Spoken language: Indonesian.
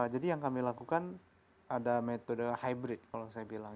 jadi yang kami lakukan ada metode hybrid kalau saya bilang